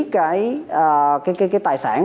cái tài sản